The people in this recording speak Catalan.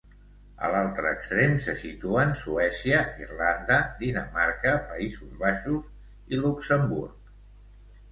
A l'altre extrem se situen Suècia, Irlanda, Dinamarca, Països Baixos i Luxemburg.